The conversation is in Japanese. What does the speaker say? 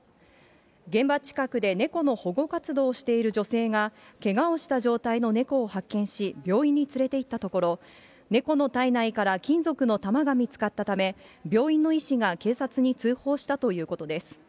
現場近くで猫の保護活動をしている女性が、けがをした状態の猫を発見し、病院に連れていったところ、猫の体内から金属の弾が見つかったため、病院の医師が警察に通報したということです。